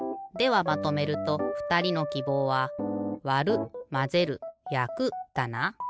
ではまとめるとふたりのきぼうは「わる」「まぜる」「やく」だな？